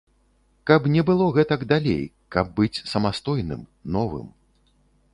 Каб не было гэтак далей, каб быць самастойным, новым.